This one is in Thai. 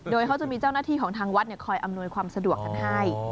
โดยเขาจะมีเจ้าหน้าที่ของทางวัดคอยอำนวยความสะดวกกันให้